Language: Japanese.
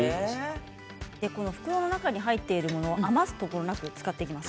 袋の中に入っているものを余すことなく使っていきます。